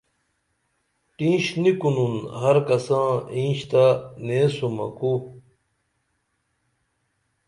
ٹینش نی کنُن ہر کساں اینش تہ نیسومہ کو